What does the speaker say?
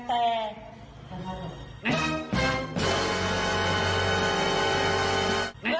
เฮ้ยอะไรอ่ะ